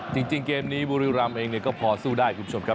จริงเกมนี้บุรีรำเองก็พอสู้ได้คุณผู้ชมครับ